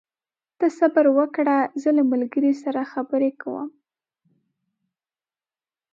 ته صبر وکړه، زه له ملګري سره خبرې کوم.